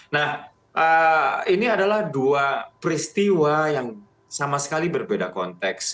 nah ini adalah dua peristiwa yang sama sekali berbeda konteks